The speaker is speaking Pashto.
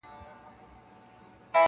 د بُت له ستوني اورمه آذان څه به کوو؟-